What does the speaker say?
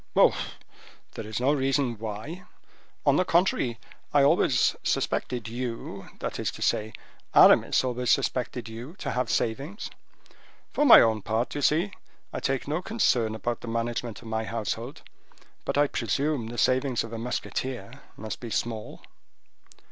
"Oh, there is no reason why; on the contrary, I always suspected you—that is to say, Aramis always suspected you to have savings. For my own part, d'ye see, I take no concern about the management of my household; but I presume the savings of a musketeer must be small."